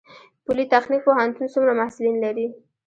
پولي تخنیک پوهنتون څومره محصلین لري؟